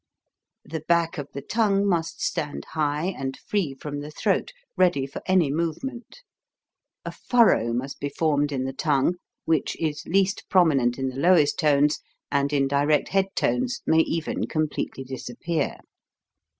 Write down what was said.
The back of the tongue must stand high and free from the throat, ready for any move ment. A furrow must be formed in the tongue, which is least prominent in the lowest tones, and in direct head tones may even completely disappear.